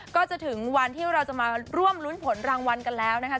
ก็จะถึงวันที่เราจะมาร่วมรุ้นผลรางวัลกันแล้วนะคะ